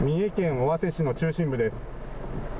三重県尾鷲市の中心部です。